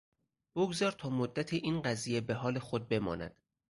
بگذار تا مدتی این قضیه به حال خود بماند.